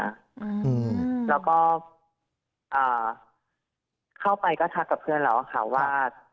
อืมแล้วก็อ่าเข้าไปก็ทักกับเพื่อนแล้วอะค่ะว่า